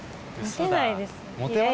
モテないです。